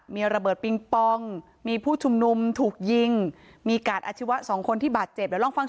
มีระเบิดปิงปองมีผู้ชุมนุมถูกยิงมีการอาชีวะสองคนที่บาดเจ็บ